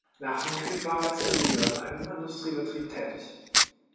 Nach dem Krieg war er als Ingenieur in einem Industriebetrieb tätig.